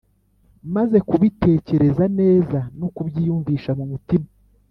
Maze kubitekereza neza no kubyiyumvisha mu mutima,